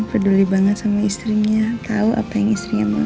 peduli banget sama istrinya tahu apa yang istrinya mau